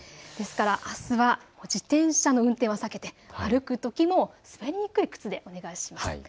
ですからあすは自転車の運転は避けて歩くときは滑りにくい靴でお願いします。